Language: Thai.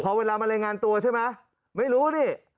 เพราะเวลามะเรงานตั๋วใช่ไหมไม่รู้นี่